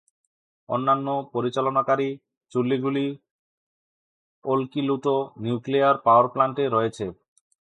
অন্যান্য পরিচালনাকারী চুল্লিগুলি ওলকিলুটো nuclear power প্ল্যান্টে রয়েছে।